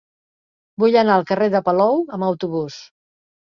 Vull anar al carrer de Palou amb autobús.